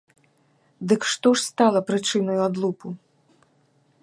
Дык што ж стала прычынаю адлупу?